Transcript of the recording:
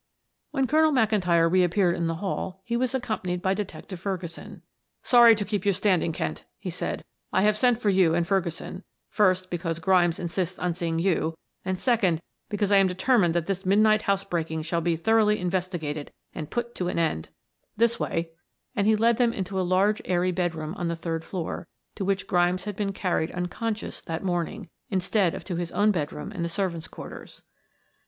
When Colonel McIntyre reappeared in the hall he was accompanied by Detective Ferguson. "Sorry to keep you standing, Kent," he said. "I have sent for you and Ferguson, first because Grimes insists on seeing you, and second, because I am determined that this midnight house breaking shall be thoroughly investigated and put an end to. This way," and he led them into a large airy bedroom on the third floor, to which Grimes had been carried unconscious that morning, instead of to his own bedroom in the servants' quarters.